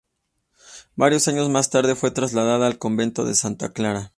Varios años más tarde fue trasladada al Convento de Santa Clara.